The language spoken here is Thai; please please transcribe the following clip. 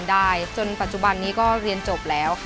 อายุ๒๔ปีวันนี้บุ๋มนะคะ